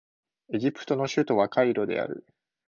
エジプトの首都はカイロである